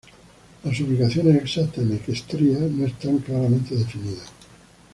Las ubicaciones exactas en Equestria no están claramente definidas.